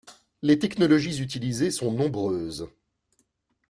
Les technologies utilisées sont nombreuses.